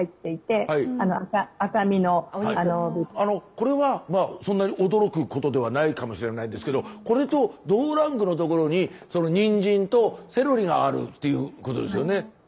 これはそんなに驚くことではないかもしれないんですけどこれと同ランクのところににんじんとセロリがあるっていうことですよね。